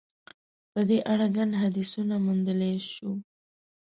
په دې اړه ګڼ حدیثونه موندلای شو.